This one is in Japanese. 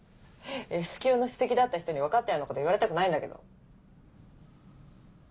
Ｓ響の首席だった人に分かったようなこと言われたくないんだけど。